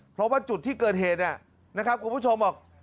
เพราะว่าจุดที่เกิดเหตุเนี่ยนะครับคุณผู้ชมบอก